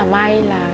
rất là may là